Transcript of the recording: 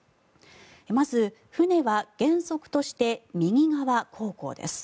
まず、船は原則として右側航行です。